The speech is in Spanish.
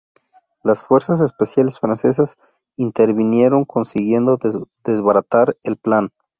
Las fuerzas especiales francesas intervinieron consiguiendo desbaratar el plan.